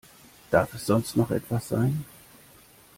Darf es sonst noch etwas sein?